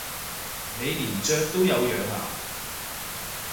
你連雀都有養啊？